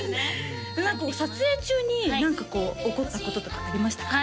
撮影中に何かこう起こったこととかありましたか？